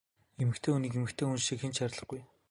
Эмэгтэй хүнийг эмэгтэй хүн шиг хэн ч хайрлахгүй!